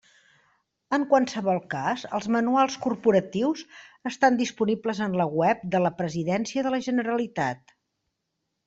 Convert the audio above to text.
En qualsevol cas, els manuals corporatius estan disponibles en la web de la Presidència de la Generalitat.